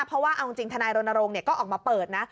เพราะว่าเอาจริงทนายรณรงค์ก็ออกมาเปิดนะ